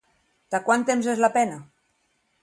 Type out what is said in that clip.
De quant temps és la pena?